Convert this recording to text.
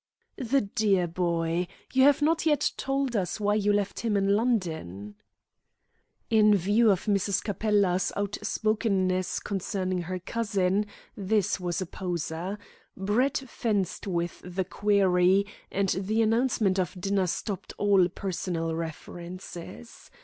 '" "The dear boy! You have not yet told us why you left him in London." In view of Mrs. Capella's outspokenness concerning her cousin, this was a poser. Brett fenced with the query, and the announcement of dinner stopped all personal references.